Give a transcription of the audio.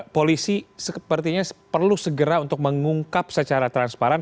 polisi sepertinya perlu segera untuk mengungkap secara transparan